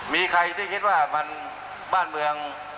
มีใครที่คิดว่ามันบ้านเมือง